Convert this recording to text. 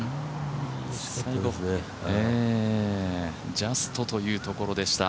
ジャストというところでした。